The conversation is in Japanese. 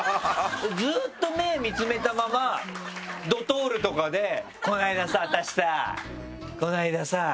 ずっと目見つめたままドトールとかで「この間さ私さこの間さ」とか言って。